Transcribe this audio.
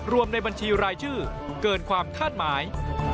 ในบัญชีรายชื่อเกินความคาดหมาย